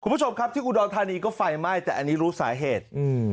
คุณผู้ชมครับที่อุดรธานีก็ไฟไหม้แต่อันนี้รู้สาเหตุอืม